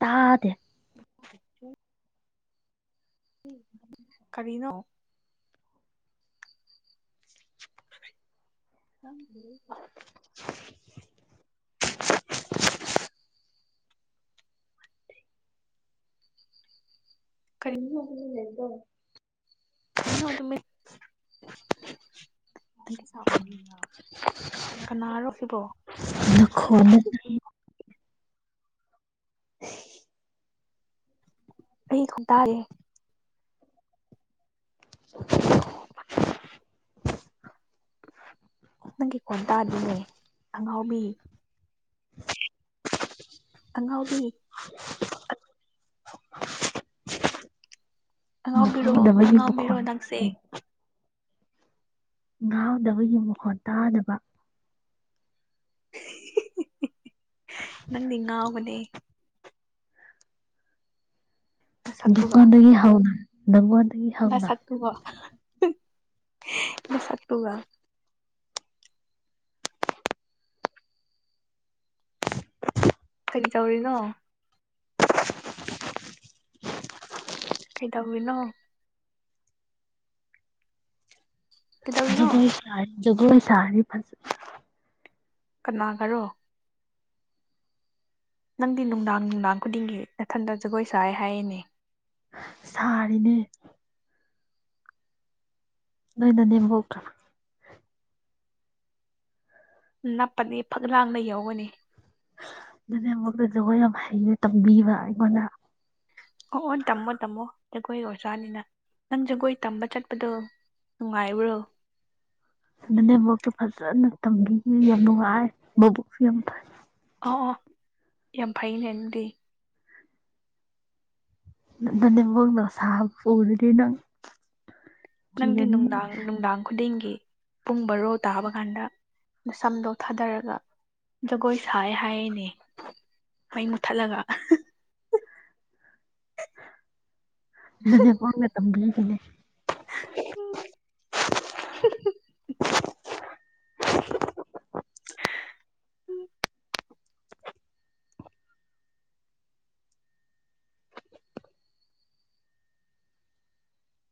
ꯇꯥꯗꯦ ꯀꯔꯤꯅꯣ [unintelligible] [unintelligible] ꯀꯩꯅ ꯂꯩꯗꯣ ꯏꯩꯅ ꯑꯗꯨꯝꯃꯥꯏ ꯅꯥ ꯀꯅꯥꯔꯣ ꯁꯤꯕꯣ ꯅꯈꯣꯟꯗ ꯍꯦ ꯑꯩ ꯈꯣꯡꯇꯥꯔꯦ [unintelligible] ꯅꯪꯒꯤ ꯀꯣꯟ ꯇꯥꯗꯤꯅꯦ ꯑꯉꯥꯎꯕꯤ ꯑꯪꯉꯥꯎꯕꯤ [unintelligible] ꯑꯉꯥꯎꯕꯤꯔꯣ ꯍꯥꯎꯗꯕꯒꯤ ꯑꯉꯥꯎꯕꯤꯔꯣ ꯃꯈꯣꯟ ꯅꯪꯁꯦ ꯉꯥꯎꯗꯕꯒꯤ ꯃꯈꯣꯟ ꯇꯥꯗꯕ ꯅꯪꯗꯤ ꯉꯥꯎꯕꯅꯦ ꯗꯨ ꯅꯁꯛꯇꯨꯒ ꯀꯥꯟꯗꯒꯤ ꯍꯥꯎꯗ ꯅꯥꯉꯣꯟꯗꯒꯤ ꯃꯁꯛ ꯇꯨꯒꯥ ꯃꯁꯛ ꯇꯨꯒ ꯍꯨꯝ ꯀꯔꯤ ꯇꯧꯔꯤꯅꯣ ꯀꯩꯗꯧꯔꯤꯅꯣ ꯀꯩꯗꯧꯔꯤꯅꯣ ꯁꯒꯣꯏ ꯁꯤꯐꯏ ꯖꯒꯣꯏ ꯁꯔꯗꯤ ꯀꯅꯥꯒꯔꯣ ꯅꯪꯗꯤ ꯅꯨꯡꯗꯥꯡ ꯅꯨꯡꯗꯥꯡ ꯈꯨꯗꯤꯡꯒꯤ ꯃꯊꯟꯗ ꯖꯒꯣꯏ ꯁꯥꯏ ꯍꯥꯏꯔꯤꯅꯦ ꯁꯥꯔꯤꯅꯦ ꯅꯣꯏ ꯅꯥꯅꯦꯝ ꯕꯣꯛꯇꯣ ꯅꯞꯄꯅꯤ ꯐꯛ ꯂꯥꯡꯗ ꯌꯧꯒꯅꯤ ꯅꯅꯦꯝ ꯕꯣꯛꯇꯣ ꯖꯒꯣꯏ ꯌꯥꯝ ꯍꯩꯩꯅ ꯇꯝꯕꯤꯕ ꯑꯩꯉꯣꯟꯗ ꯑꯣ ꯑꯣ ꯇꯝꯃꯣ ꯇꯝꯃꯣ ꯖꯒꯣꯏꯒꯤ ꯑꯣꯖꯥꯅꯤꯅ ꯅꯪ ꯖꯒꯣꯏ ꯇꯝꯕ ꯆꯠꯄꯗꯣ ꯅꯨꯡꯉꯥꯏꯕ꯭ꯔꯣ ꯅꯥꯅꯦꯝꯕꯣꯛ ꯇꯐꯖꯅ ꯇꯝꯕꯤꯌꯦ ꯌꯥꯝ ꯅꯨꯡꯉꯥꯏ ꯃꯕꯨꯛꯁꯨ ꯌꯥꯝ ꯐꯩ ꯑꯣ ꯑꯣ ꯌꯥꯝ ꯐꯩꯅꯦ ꯅꯪꯗꯤ ꯅꯦꯝꯕꯣꯛꯅꯥ ꯁꯥꯕ ꯄꯨꯔꯗꯤ ꯅꯪ ꯅꯪꯗꯤ ꯀꯤꯔꯅꯤ ꯅꯨꯡꯗꯥꯡ ꯅꯨꯡꯗꯥꯡ ꯈꯨꯗꯤꯡꯒꯤ ꯄꯨꯡ ꯕꯔꯣ ꯇꯥꯕ ꯀꯥꯟꯗ ꯃ ꯁꯝꯗꯣ ꯊꯥꯗꯔꯒ ꯖꯒꯣꯏ ꯁꯥꯏ ꯍꯥꯏꯔꯤꯅꯦ ꯃꯩ ꯃꯨꯊꯠꯂꯒ ꯅꯥꯅꯦꯝꯕꯣꯛꯅ ꯇꯝꯒꯅꯤꯅꯦ ꯎꯝ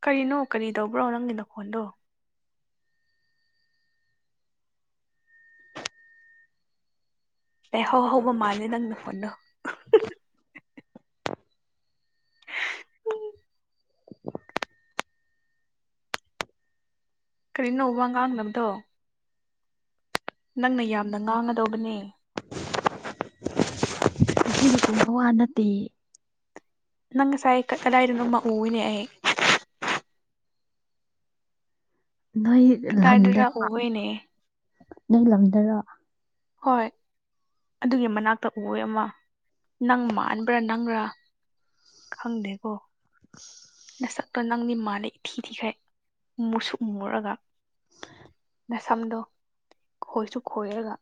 ꯀꯔꯤꯅꯣ ꯀꯔꯤ ꯇꯧꯕ꯭ꯔꯣ ꯅꯪꯒꯤ ꯅꯈꯣꯟꯗꯣ ꯂꯩꯍꯧ ꯍꯧꯕ ꯃꯥꯜꯂꯦ ꯅꯪꯅ ꯐꯣꯟꯗꯣ ꯎꯝ ꯀꯔꯤ ꯅꯣ ꯋꯥꯉꯥꯡꯗꯕꯗꯣ ꯅꯪꯅ ꯌꯥꯝꯅ ꯉꯥꯡꯒꯗꯧꯕꯅꯦ ꯑꯗꯨꯕ ꯋꯥ ꯅꯠꯇꯦ ꯅꯪ ꯁꯥꯏ ꯀꯗꯥꯏꯗ ꯑꯃ ꯎꯏꯅꯑꯦ ꯅꯣꯏ ꯀꯗꯥꯏꯗꯔ ꯂꯝꯗꯔ ꯎꯋꯦꯅꯦ ꯅꯣꯏ ꯂꯝꯗꯔ ꯍꯣꯏ ꯑꯗꯨꯒꯤ ꯃꯅꯥꯛꯇ ꯎꯏ ꯑꯦ ꯑꯃ ꯅꯪ ꯃꯥꯟꯕ꯭ꯔꯥ ꯅꯪꯔꯥ ꯈꯪꯗꯦꯀꯣ [unintelligible] ꯅꯁꯛꯇꯣ ꯅꯪꯗꯤ ꯃꯥꯜꯂꯦ ꯏꯊꯤ ꯊꯨꯈꯩ ꯎ ꯃꯨꯁꯨꯛꯃꯨꯔꯒ ꯅꯁꯝꯗꯣ ꯈꯣꯏꯁꯨ ꯈꯣꯏꯔꯒ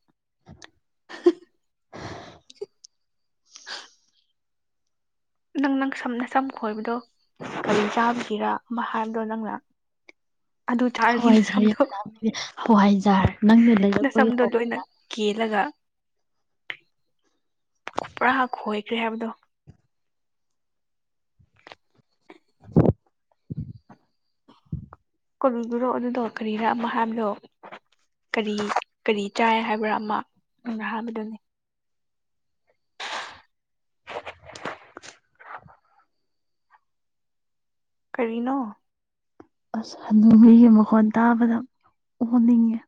ꯍꯥ ꯅꯪ ꯅꯪ ꯁꯝꯅ ꯁꯝ ꯈꯣꯏꯕꯗꯣ ꯀꯔꯤ ꯆꯥꯕꯤꯒꯔ ꯑꯃ ꯍꯥꯏꯕꯗꯣ ꯅꯪꯅ ꯑꯗꯨ ꯆꯥꯔꯈꯤ ꯍꯋꯥꯏꯖꯥꯔ ꯅꯁꯝꯗꯣ ꯌꯥꯝ ꯂꯥꯝꯃꯦ ꯍꯋꯥꯏꯖꯥꯔ ꯅꯪꯅ ꯂꯩꯔꯛꯄꯒꯤ ꯅꯁꯝꯗꯣ ꯍꯋꯥꯏ ꯂꯣꯏꯅ ꯀꯦꯜꯂꯒ ꯄꯨꯔꯥ ꯈꯣꯏꯈ꯭ꯔꯦ ꯍꯥꯏꯕꯗꯣ ꯀꯧꯔꯨꯗ꯭ꯔꯣ ꯑꯗꯨꯗꯣ ꯀꯔꯤꯔꯥ ꯃꯥꯍꯥꯕꯗꯣ ꯀꯔꯤ ꯀꯔꯤ ꯆꯥꯏ ꯍꯥꯏꯕ꯭ꯔꯥ ꯑꯃ ꯍꯥꯏꯕꯗꯨꯅꯤ ꯀꯔꯤꯅꯣ ꯑꯁ ꯍꯅꯨꯕꯤꯒꯤ ꯃꯈꯣꯟ ꯇꯥꯕꯗꯣ ꯑꯣꯟꯅꯤꯡꯉꯦ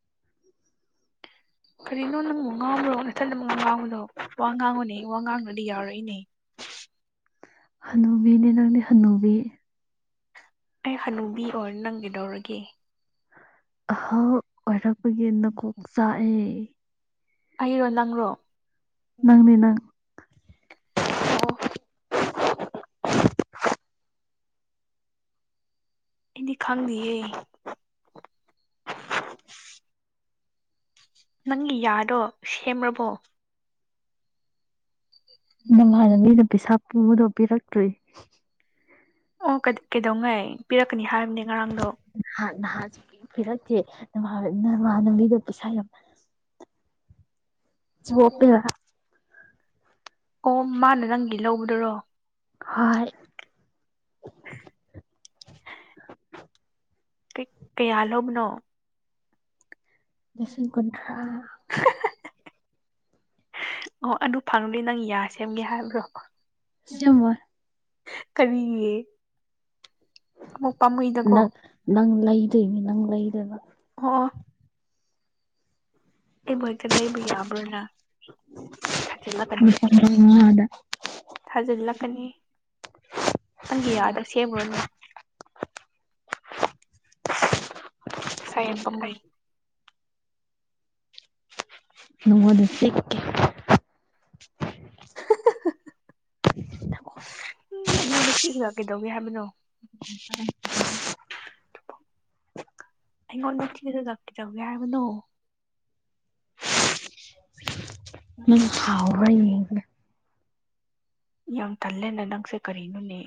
ꯀꯔꯤꯅꯣ ꯅꯪꯕꯨ ꯉꯥꯡꯕ꯭ꯔꯣ ꯅꯊꯟ ꯅꯨ ꯉꯥꯡꯕꯗꯣ ꯋꯥ ꯉꯥꯡꯕꯅꯦ ꯋꯥ ꯉꯥꯡꯗꯔꯗꯤ ꯌꯥꯔꫭꯏꯅꯦ ꯍꯅꯨꯕꯤꯅꯦ ꯅꯪꯅꯦ ꯍꯅꯨꯕꯤ ꯑꯩ ꯍꯅꯨꯕꯤ ꯑꯣꯏ ꯅꯪ ꯀꯩꯗꯧꯔꯒꯦ ꯑꯍꯜ ꯑꯣꯏꯔꯛꯄꯒꯤ ꯅꯀꯣꯛ ꯆꯥꯛꯑꯦ ꯑꯩꯔꯣ ꯅꯪꯔꯣ ꯅꯪꯅꯦ ꯅꯪ ꯑꯣ ꯑꯩꯗꯤ ꯈꯪꯗꯤꯌꯦ ꯅꯪꯒꯤ ꯌꯥꯗꯣ ꯁꯦꯝꯔꯕꯣ ꯅꯉꯥꯟꯗ ꯃꯤꯅ ꯄꯩꯁꯥ ꯄꯨꯕꯗꯣ ꯄꯤꯔꯛꯇ꯭ꯔꯤ ꯑꯣ ꯀꯩꯗꯧꯉꯩ ꯄꯤꯔꯛꯀꯅꯤ ꯍꯥꯏꯕꯅꯦ ꯉꯔꯥꯡꯗꯣ ꯅꯍ ꯅꯍꯥꯁꯨ ꯄꯤꯔꯛꯀꯦ ꯅ ꯅꯃꯅꯕꯤꯗ ꯄꯩꯁꯥ ꯌꯥꯝ ꯆꫭꯄ‌ꯦ ꯑꯣ ꯃꯥꯅ ꯅꯪꯗꯤ ꯂꯧꯕꯗꯨꯔꯣ ꯍꯣꯏ [inaudible] ꯀ ꯀꯌꯥꯂꯧꯕꯅꯣ ꯂꯤꯁꯤꯡ ꯀꯨꯟꯊ꯭ꯔꯥ ꯑꯣ ꯑꯗꯨ ꯐꯪꯪꯂꯨꯗꯦ ꯅꯪ ꯌꯥ ꯁꯦꯝꯒꯦ ꯍꯥꯏꯕ꯭ꯔꯣ ꯑꯁꯦꯡꯕ ꯀꯔꯤ ꯅꯪ ꯅꯪ ꯂꯩꯗꯣꯏꯅꯤ ꯅꯪ ꯂꯩꯗ‌ꫭꯏꯕ ꯑꯣ ꯑꯩꯕꯨ ꯍꯦꯛꯇ ꯂꯩꯕ ꯌꯥꯕ꯭ꯔꯥꯅ ꯊꯥꯖꯤꯜꯂꯛꯀꯅꯤ ꯂꯨꯄꯥ ꯃꯉꯥꯗ ꯊꯥꯖꯤꯜꯂꯛꯀꯅꯤ ꯅꯪꯒꯤꯌꯥꯗꯣ ꯁꯦꯝꯃꯨꯔꯅꯨ ꯄꯩꯁꯥ ꯌꯥꯝ ꯂꯧꯏ ꯅꯣꯡꯉ ꯁꯤꯛ ꯅꯀꯣꯛ ꯎꯝ ꯑꯩꯉꯣꯟꯗ ꯆꯤꯂꯒ ꯀꯩꯗꯧꯒꯦ ꯍꯥꯏꯕꯅꯣ ꯎ ꯑꯩꯉ‌ꯣꯟꯗ ꯊꯤꯔꯒ ꯀꯩꯗꯧꯒ‌ꯦ ꯍꯥꯏꯕꯅ‌ꯣ ꯅꯪ ꯁꯥꯎꯕꯔ ꯌꯦꯡꯕꯅ‌ꯦ ꯌꯥꯝ ꯇꯜꯂꯦꯅ ꯅꯪꯁꯦ ꯀꯔꯤꯅꯣꯅꯦ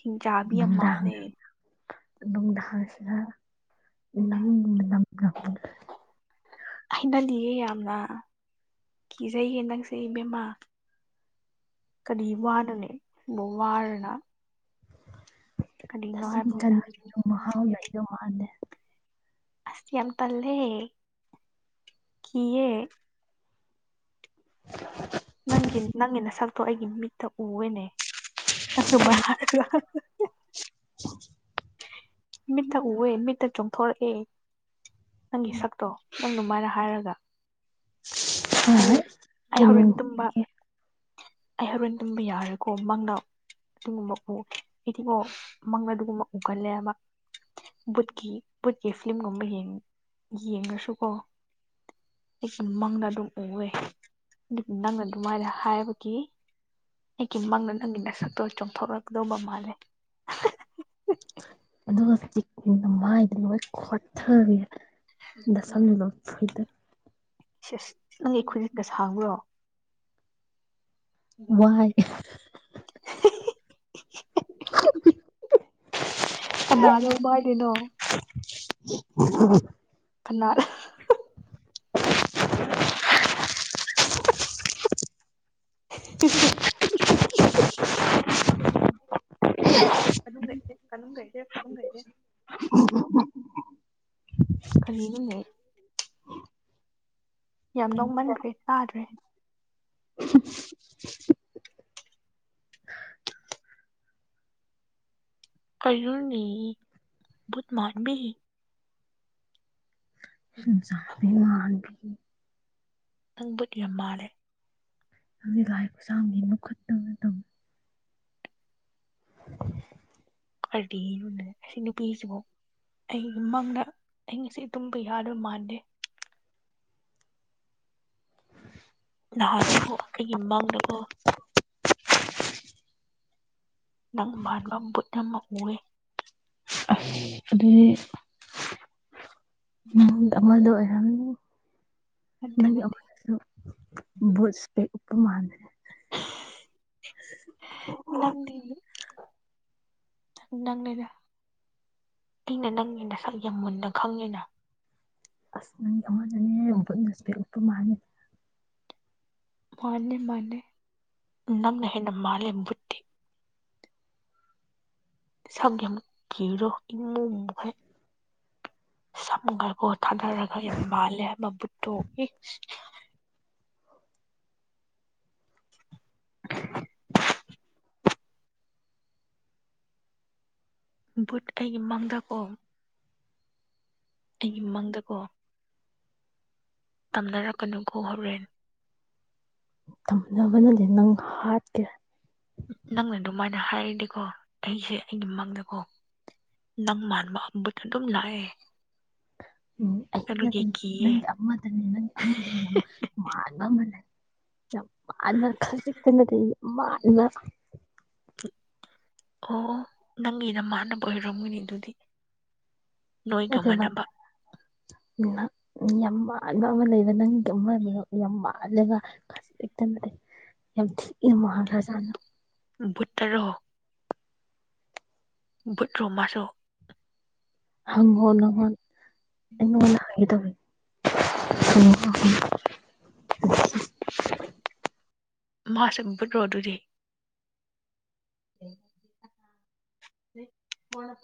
ꯍꯤꯡꯆꯥꯕꯤ ꯌꯥꯝ ꯃꯥꯜꯂꯦ ꯅꯨꯡꯁꯤꯗ ꯅꯪ ꯅꯪ [unintelligible] ꯍꯩꯅꯗꯤꯌꯦ ꯌꯥꯝꯅ ꯀꯤꯖꯩꯌꯦ ꯅꯪꯁꯦ ꯏꯕꯦꯝꯃꯥ ꯀꯔꯤ ꯋꯥꯅ‌ꯣꯅ‌ꯦ ꯋꯥꯔꯅ ꯀꯔꯤꯅꯣ ꯅꯆꯤꯟ ꯀꯥꯟ ꯍꯥꯏꯕꯅꯤꯅ ꯃꯍꯥꯎ ꯂꯩꯗ‌ꯣ ꯃꯥꯟꯗ‌ꯦ ꯑꯁ ꯌꯥꯝ ꯇꯜꯂꯦ ꯀꯤꯌꯦ ꯅꯪꯒꯤ ꯅꯪꯒꯤ ꯅꯁꯛꯇꯣ ꯑꯩꯒꯤ ꯃꯤꯠꯇ ꯎꯋ‌ꯦꯅꯦ ꯑꯆꯨꯝꯕ ꯍꯥꯏꯔꯒ ꯃꯤꯠꯇ ꯎꯑꯦ ꯃꯤꯠꯇ ꯆꯣꯡꯊꯣꯔꯛꯑꯦ ꯅꯪꯒꯤ ꯁꯛꯇꯣ ꯅꯪ ꯑꯗꯨꯃꯥꯏꯅ ꯍꯥꯏꯔꯒ ꯑꯩ ꯑꯩ ꯀꯦ ꯍꯧꯔꯦꯟ ꯇꯨꯝꯕ ꯑꯩ ꯍꯧꯔꯣꯟ ꯇꯨꯝꯕ ꯌꯥꯔꯦꯏꯀꯣ ꯃꯪꯅ ꯑꯗꯨꯨꯒꯨꯝꯕ ꯎ ꯍꯥꯏꯗꯤꯀ‌ꯣ ꯃꯪꯗ ꯑꯗꯨꯒꯨꯝꯕ ꯎꯒꯜꯂꯦꯕ ꯕꯨꯠꯀꯤ ꯕꯨꯠꯀꯤ ꯐꯤꯂꯝꯒꯨꯝꯕ ꯌꯦꯡ ꯌꯦꯡꯔꯁꯨꯀꯣ ꯑꯩꯁꯨ ꯃꯪꯗ ꯑꯗꯨꯝ ꯎꯑꯦ ꯑꯗꯨꯕꯨ ꯅꯪꯅ ꯑꯗꯨꯃꯥꯏꯅ ꯍꯥꯏꯕꯒꯤ ꯑꯩꯒꯤ ꯃꯪꯗ ꯅꯪꯒꯤ ꯅꯁꯛꯇꯣ ꯆꯣꯡꯊꯣꯛꯔꯛꯀꯗꯧꯕ ꯃꯥꯜꯂꯦ ꯑꯗꯨꯒ ꯍꯧꯖꯤꯛ ꯅꯃꯥꯏꯗ‌ꯣ ꯂꯣꯏ ꯈꯣꯊꯔ‌ꯦ ꯅꯁꯝꯒ ꯐ‌ꯣꯏꯗꯠ ꯁꯤꯁ ꯅꯪꯒꯤ ꯈꯨꯖꯤꯟꯗ ꯁꯥꯡꯕ꯭ꯔꯣ ꯋꯥꯏ [unintelligible] ꯀꯅꯥꯗꯧꯕ [unintelligible] ꯅꯣ [unintelligible] ꯀꯅꯥꯜ [unintelligible] ꯀꯗꯨꯝ ꯂꯩꯗꯦ ꯀꯗꯨꯝ ꯀꯩꯗꯦ ꯀꯗꯨꯝ ꯂꯩꯥꯗꯦ [unintelligible] ꯀꯔꯤꯅ‌ꯣꯅꯦ ꯌꯥꯝ ꯅ‌ꯣꯛꯃꯟꯈ꯭ꯔꯦ ꯇꯥꯗ꯭ꯔꯦ [unintelligible] ꯀꯔꯤꯅ‌ꯣꯅ‌ꯦ ꯕꯨꯠ ꯃꯥꯟꯕꯤ ꯍꯤꯡꯆꯥꯕꯤ ꯃꯥꯟꯕꯤ ꯅꯪ ꯕꯨꯠ ꯌꯥꯝ ꯃꯥꯜꯂꯦ ꯅꯪꯗꯤ ꯂꯥꯏ ꯈꯨꯠꯁꯥꯡꯕꯤ ꯃꯈꯨꯠꯇꯨꯝ ꯇꯧ [unintelligible] ꯀꯔꯗꯤꯅ‌ꯣꯅ‌ꯦ ꯑꯁꯤ ꯅꯨꯄꯤꯁꯤꯕꯣ ꯑꯩꯒꯤ ꯃꯪꯗ ꯑꯩ ꯉꯁꯤ ꯇꯨꯝꯕ ꯌꯥꯗꯣꯏ ꯃꯥꯟꯗꯦ ꯅꯍꯥꯟꯗꯨꯒꯣ ꯑꯩꯒꯤ ꯃꯪꯗꯒꯣ ꯅꯪ ꯃꯥꯟꯕ ꯕꯨꯠ ꯑꯃ ꯎꯋꯦ ꯑꯁ ꯑꯗꯨꯗꯤ ꯅꯪ ꯑꯃꯗ‌ꯣ ꯑꯣꯏꯔꯝꯅꯤ ꯅꯠꯇꯦ ꯅꯪꯒꯤ ꯅꯠꯇꯦ ꯑꯅ‌ꯣꯛꯇꯨ ꯕꯨꯠ ꯏꯁꯄ‌ꯦꯛ ꯎꯞꯄ ꯃꯥꯥꯟꯕꯅ‌ꯦ ꯅꯪꯗꯤ ꯅꯪꯅꯤꯗ ꯑꯩꯅ ꯅꯪꯒꯤ ꯅꯁꯝ ꯌꯥꯝ ꯃꯨꯟꯅ ꯈꯪꯉꯤꯅ ꯑꯁ ꯅꯪꯒꯤ ꯑꯃꯗꯨꯅꯦ ꯕꯨꯠꯅ ꯏꯁꯄꯦꯛ ꯎꯞꯄ ꯃꯥꯜꯂ‌ꯦ ꯃꯥꯅꯦ ꯃꯥꯅꯦ ꯅꯪꯅꯦ ꯍꯦꯟꯅ ꯃꯥꯜꯂ‌ꯦ ꯕꯨꯠ ꯁꯝ ꯌꯥꯝ ꯀꯤꯔꯣ ꯏꯃꯨ ꯃꯨꯒꯩ ꯁꯝꯒ ꯑꯣ ꯊꯥꯗꯔꯒ ꯌꯥꯝ ꯃꯥꯜꯂꯦ ꯍꯥꯏꯕ ꯕꯨꯠꯇꯣ ꯕꯨꯠ ꯑꯩꯒꯤ ꯃꯪꯗꯀꯣ ꯑꯩꯒꯤꯃꯪꯗꯀꯣ ꯇꯝꯅꯔꯛꯀꯅꯨꯀꯣ ꯍꯣꯔꯦꯟꯅ ꯇꯝꯅꯕꯅꯗꯤ ꯅꯪ ꯍꯥꯠꯀꯦꯔ ꯅꯪꯅ ꯑꯗꯨꯃꯥꯏꯅ ꯍꯥꯏꯔꯗꯤꯀꯣ ꯑꯩꯁꯦ ꯑꯩꯒꯤ ꯃꯪꯗꯀꯣ ꯅꯪ ꯃꯥꯟꯕ ꯍꯝꯕꯗꯨ ꯑꯗꯨꯝ ꯂꯥꯛꯑꯦ ꯎꯝ ꯑꯩꯩꯅ ꯑꯗꯨꯒꯤ ꯑꯗꯨꯝ ꯀꯤꯌꯦ ꯅꯪꯒꯤ ꯑꯃꯗꯅꯦ ꯅꯪꯒꯤ ꯑꯃꯗꯣ ꯌꯥꯝ ꯃꯥꯟꯕ ꯑꯃ ꯂꯩ ꯌꯥꯝ ꯃꯥꯅ ꯈꯁꯤꯇꯅ ꯇ ꯃꯥꯅ ꯑꯣ ꯅꯪꯒꯤ ꯅꯃꯥꯟꯅꯕ ꯑꯣꯏꯔꯝꯒꯅꯤ ꯑꯗꯨꯗꯤ ꯅꯣꯏꯒ ꯑꯗꯨꯕꯗ ꯃꯥꯟꯅꯕ ꯌꯥꯝ ꯃꯥꯟꯕ ꯑꯃ ꯂꯩꯕ ꯅꯪꯒꯤꯕꯗꯣ ꯌꯥꯝ ꯃꯥꯜꯂꯒ ꯌꯥꯝ ꯊꯤ ꯃꯍꯒꯖꯅ ꯨꯠꯇꯔꯣꯛ ꯕꯨꯠ ꯔꯣꯃꯁꯨꯣ ꯍꯪꯣꯪ ꯍꯥꯏꯗ ꯃꯥꯁꯦ ꯄꯨꯠꯔꯣ ꯑꯗꯨꯗꯤ ꯎ ꯀꯅ ꯐ [unintelligible] [unintelligible]